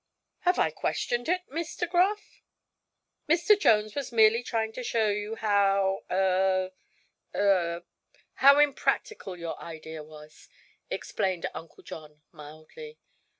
"Have I questioned it, Miss De Graf?" "Mr. Jones was merely trying to show you how er er how impractical your idea was," explained Uncle John mildly.